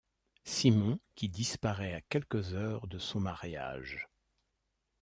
Simon, qui disparaît à quelques heures de son mariage.